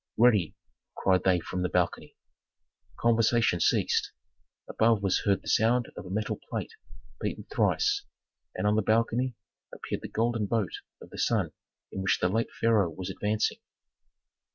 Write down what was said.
"Ready!" cried they from the balcony. Conversation ceased. Above was heard the sound of a metal plate beaten thrice and on the balcony appeared the golden boat of the sun in which the late pharaoh was advancing.